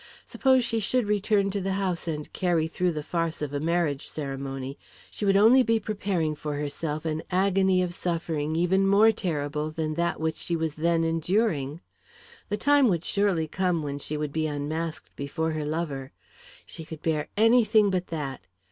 Suppose she should return to the house and carry through the farce of a marriage ceremony, she would only be preparing for herself an agony of suffering even more terrible than that which she was then enduring. The time would surely come when she would be unmasked before her lover. She could bear anything but that.